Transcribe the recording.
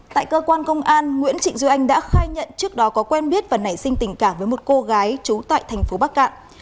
tại cơ quan công an nguyễn trịnh duy anh đã khai nhận trước đó có quen biết và nảy sinh tình cảm với một cô gái trú tại thành phố bắc cạn